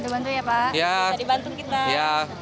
bantu ya pak bisa dibantu kita